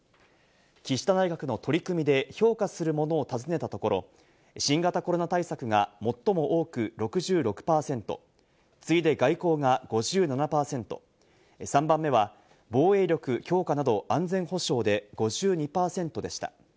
岸田内閣の取り組みで評価するものを尋ねたところ、新型コロナ対策が最も多く６６％、次いで外交が５７％、３番目は防衛力強化など安全保障で５２％でした。